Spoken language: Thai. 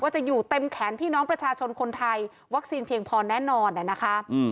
จะอยู่เต็มแขนพี่น้องประชาชนคนไทยวัคซีนเพียงพอแน่นอนนะคะ